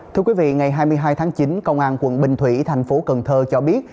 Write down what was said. thưa quý vị ngày hai mươi hai tháng chín công an quận bình thủy thành phố cần thơ cho biết